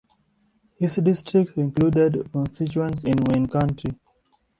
His district included constituents in Wayne county.